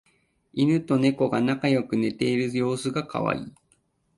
イヌとネコが仲良く寝ている様子がカワイイ